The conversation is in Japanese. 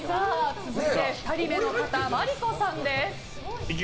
続いて、２人目の方まりこさんです。